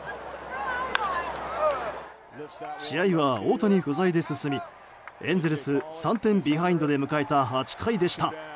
試合は大谷不在で進みエンゼルス３点ビハインドで迎えた８回でした。